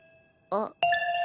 あっ。